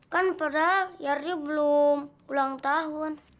kan padahal yardi belum ulang tahun